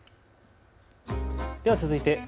では続いて＃